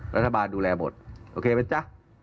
รัฐบาลดูแลหมดโอเคไหมจ๊ะ